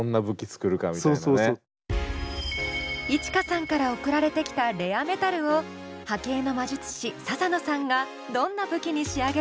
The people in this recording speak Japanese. Ｉｃｈｉｋａさんから送られてきたレアメタルを波形の魔術師ササノさんがどんな武器に仕上げるのか？